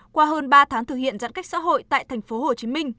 qua hơn ba tháng thực hiện giãn cách xã hội tại tp hcm